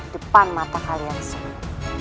depan mata kalian semua